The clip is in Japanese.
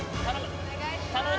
頼む！